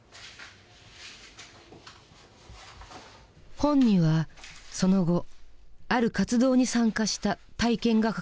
本にはその後ある活動に参加した体験が書かれている。